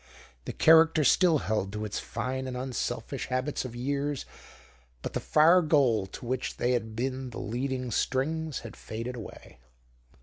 The character still held to its fine and unselfish habits of years, but the far goal to which they had been the leading strings had faded away.